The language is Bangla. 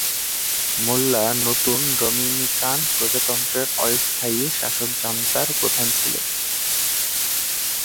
মেল্লা নতুন ডোমিনিকান প্রজাতন্ত্রের অস্থায়ী শাসক জান্তার প্রধান ছিলেন।